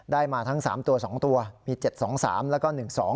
มาทั้ง๓ตัว๒ตัวมี๗๒๓แล้วก็๑๒